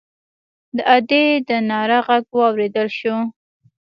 د ادي د ناره غږ واورېدل شو.